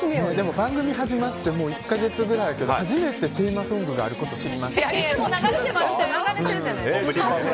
番組始まってもう１か月ぐらいですけど初めてテーマソングがあることを知りました。